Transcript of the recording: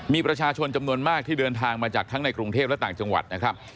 มีประชาชนจำนวนมากที่เดินทางมาจากทั้งในกรุงเทพและต่างจังหวัดนะครับ